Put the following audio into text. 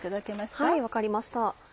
はい分かりました。